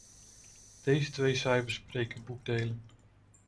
Deze twee cijfers spreken boekdelen.